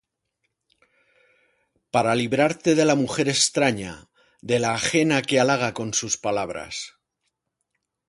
Para librarte de la mujer extraña, De la ajena que halaga con sus palabras;